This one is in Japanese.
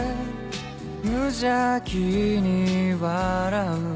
無邪気に笑う」